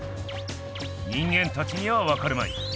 人間たちにはわかるまい。